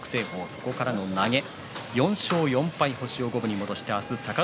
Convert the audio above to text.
そこからの投げ４勝４敗、星を五分に戻しました。